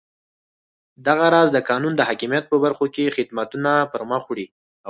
دغه راز د قانون د حاکمیت په برخو کې خدمتونه پرمخ وړي.